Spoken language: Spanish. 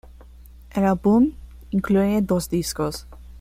El álbum incluye dos discos.